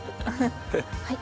はい。